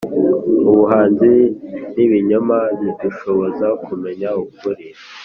ubuhanzi nibinyoma bidushoboza kumenya ukuri.